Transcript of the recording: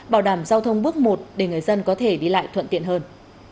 bảo đảm giao thông bước một để người dân có thể đi lại thuận tiện hơn